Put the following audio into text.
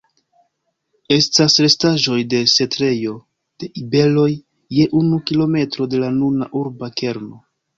Estas restaĵoj de setlejo de iberoj je unu kilometro de la nuna urba kerno.